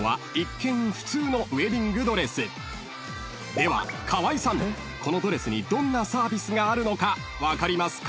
［では河合さんこのドレスにどんなサービスがあるのか分かりますか？］